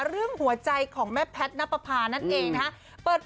เรื่องหัวใจของแม่แพทย์นับประพานั่นเองนะฮะ